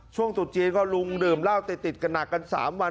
จุดจีนก็ลุงดื่มเหล้าติดกันหนักกัน๓วัน